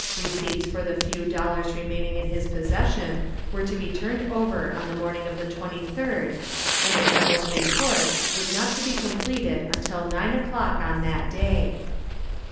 Receipts for the few dollars remaining in his possession were to be turned over on the morning of the 23d and the general report was not to be completed until 9 o'clock on that day.